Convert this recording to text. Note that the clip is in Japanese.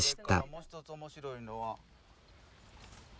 もう一つ面白いのは。